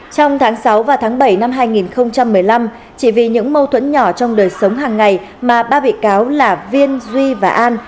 trong tháng sáu và tháng bảy năm hai nghìn một mươi năm chỉ vì những mâu thuẫn nhỏ trong đời sống hàng ngày mà ba bị cáo là viên duy và an